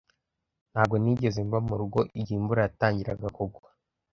Ntabwo nigeze mva mu rugo igihe imvura yatangiraga kugwa.